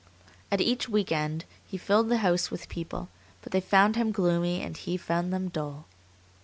At each week end he filled the house with people, but they found him gloomy and he found them dull.